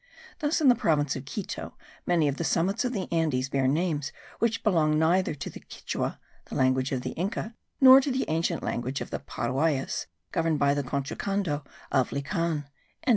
Thus in the province of Quito many of the summits of the Andes bear names which belong neither to the Quichua (the language of Inca) nor to the ancient language of the Paruays, governed by the Conchocando of Lican.)